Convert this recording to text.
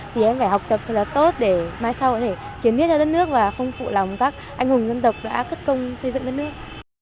thì em phải học tập thật là tốt để mai sau có thể kiến biết cho đất nước và không phụ lòng các anh hùng dân tộc đã cất công xây dựng đất nước